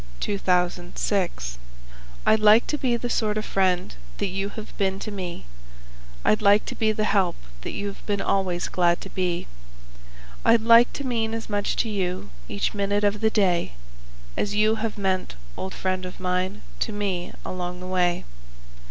A FRIEND'S GREETING I'd like to be the sort of friend that you have been to me; I'd like to be the help that you've been always glad to be; I'd like to mean as much to you each minute of the day As you have meant, old friend of mine, to me along the way.